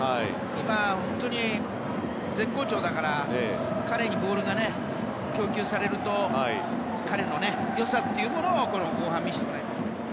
今、本当に絶好調だから彼にボールが供給されると彼の良さ後半、見せてもらいたいね。